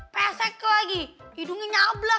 pesek lagi hidungnya nyabla